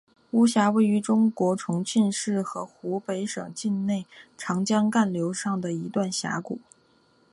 巫峡位于中国重庆市和湖北省境内长江干流上的一段峡谷。